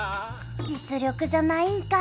実力じゃないんかい！